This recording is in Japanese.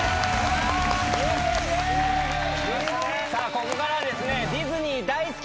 さあここからはですね。